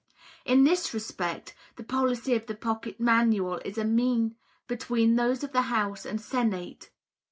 In this respect the policy of the Pocket Manual is a mean between those of the House and Senate.